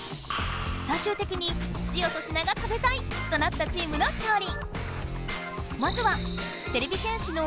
最終的にジオ粗品が「食べたい！」となったチームの勝利！